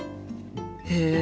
へえ！